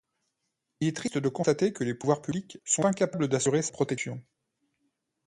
Il est triste de constater que les pouvoirs publics sont incapables d'assurer sa protection.